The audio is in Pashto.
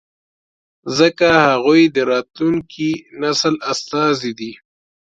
ځکه هغوی د راتلونکي نسل استازي دي.